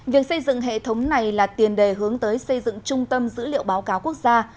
việc xây dựng hệ thống này là tiền đề hướng tới xây dựng trung tâm dữ liệu báo cáo quốc gia